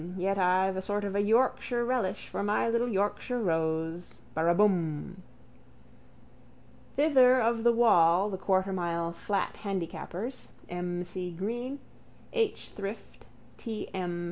Yet I've a sort of a Yorkshire relish for My little Yorkshire rose. Baraabum. Thither of the wall the quartermile flat handicappers, M. C. Green, H. Shrift, T. M.